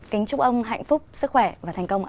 kính chúc ông hạnh phúc sức khỏe và thành công ạ